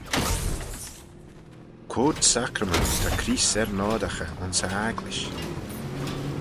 Quoid sacrament ta Creest er n'oardaghey ayns e agglish?